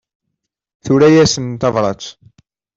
Tura-asen tabrat.